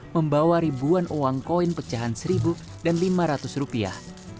membawa ribuan uang koin pecahan seribu dan lima ratus rupiah